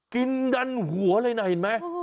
กินดันหัวเลยนะเห็นมั้ย